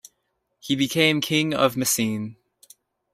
He became king of Messene.